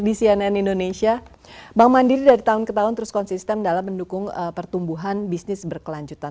di cnn indonesia bank mandiri dari tahun ke tahun terus konsisten dalam mendukung pertumbuhan bisnis berkelanjutan